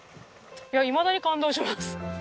いやいまだに感動します。